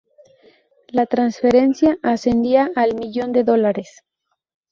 La trasferencia ascendía al millón de dólares.